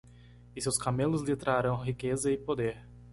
E seus camelos lhe trarão riqueza e poder.